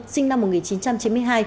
sinh năm một nghìn chín trăm chín mươi hai